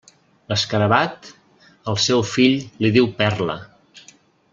L'escarabat, al seu fill li diu perla.